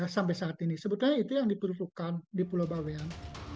sampai saat ini sebetulnya itu yang diperlukan di pulau bawean